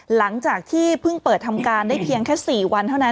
หลังจากที่เพิ่งเปิดทำการได้เพียงแค่๔วันเท่านั้น